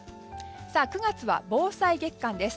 ９月は防災月間です。